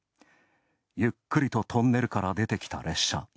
ゆっくりとトンネルから出てきた列車。